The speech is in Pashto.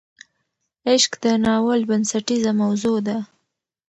عشق د ناول بنسټیزه موضوع ده.